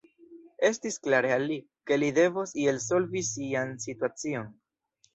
Estis klare al li, ke li devos iel solvi sian situacion.